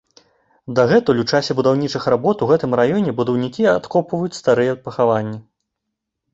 Дагэтуль у часе будаўнічых работ у гэтым раёне будаўнікі адкопваюць старыя пахаванні.